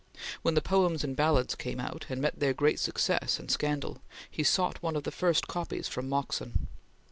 When the "Poems and Ballads" came out, and met their great success and scandal, he sought one of the first copies from Moxon.